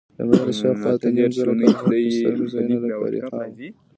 له میلاده شاوخوا اتهنیمزره کاله مخکې ستر میشت ځایونه لکه اریحا وو.